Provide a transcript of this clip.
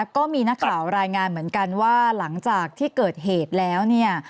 ก็มีนักข่าวรายงานเหมือนกันว่าหลังจากที่เกิดเหตุแล้วเนี่ย